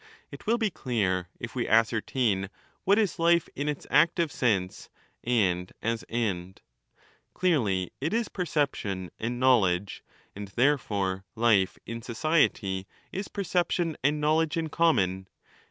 ^ It will be clear if we ascertain what is life in its active sense and as end. 25 Clearly, it is perception and knowledge, and therefore life in society is perception and knowledge in common.